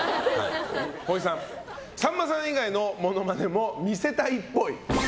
ほいさん、さんまさん以外のモノマネも見せたいっぽい。